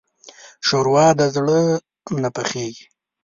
ښوروا د زړه نه پخېږي.